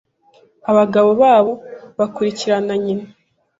abagabo babo bakurikirana nyina